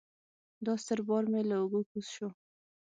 دا ستر بار مې له اوږو کوز شو.